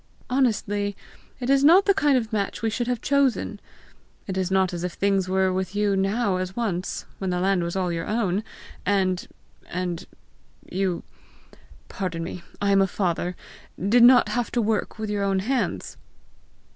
Honestly, it is not the kind of match we should have chosen! It is not as if things were with you now as once, when the land was all your own, and and you pardon me, I am a father did not have to work with your own hands!"